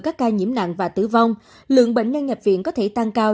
các ca nhiễm nặng và tử vong lượng bệnh nhân nhập viện có thể tăng cao